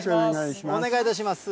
お願いいたします。